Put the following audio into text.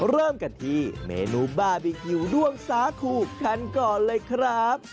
เริ่มกันที่เมนูบาร์บีคิวด้วงสาคูกันก่อนเลยครับ